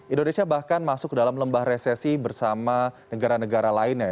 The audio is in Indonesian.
indonesia bahkan masuk dalam lembah resesi bersama negara negara lainnya